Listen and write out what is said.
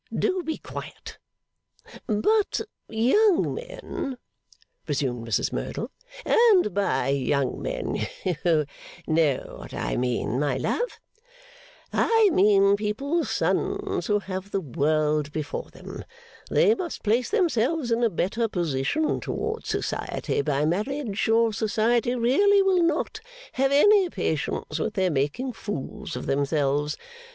Do be quiet!' 'But, young men,' resumed Mrs Merdle, 'and by young men you know what I mean, my love I mean people's sons who have the world before them they must place themselves in a better position towards Society by marriage, or Society really will not have any patience with their making fools of themselves.